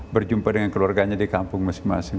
berjumpa dengan keluarganya di kampung masing masing